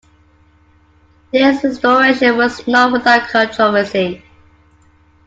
This restoration was not without controversy.